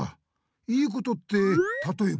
いいことってたとえば？